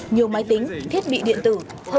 nhiều máy tính thiết bị điện tử